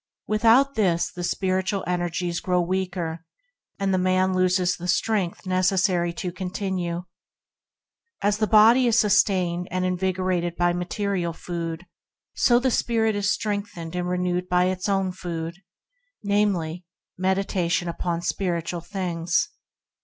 Without this the spiritual energies 44 ENTERING THE KINGDOM grow weaker, and the man loses the strength necessary to go on. As the body is sustained and invigorated by material food, so is the spirit strengthened and renewed by its own food: meditation upon spiritual things.